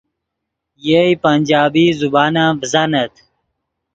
یئے پنجابی زبان ام ڤزانت